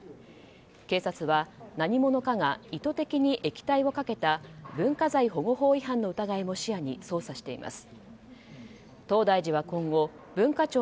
警察は何者かが意図的に液体をかけた文化財保護法違反の疑いも視野に捜査しています。